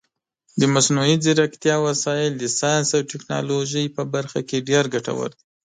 د مصنوعي ځیرکتیا وسایل د ساینس او ټکنالوژۍ په برخه کې ډېر ګټور دي.